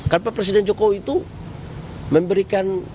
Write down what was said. karena presiden jokowi itu memberikan